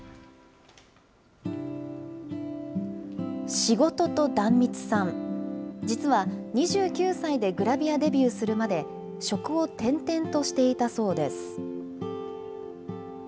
仕事と壇蜜さん、実は２９歳でグラビアデビューするまで、職を転々としていたそうです。